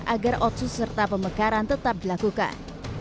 agar otsus serta pemekaran tetap dilakukan